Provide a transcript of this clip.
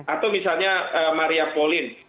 atau misalnya maria pauline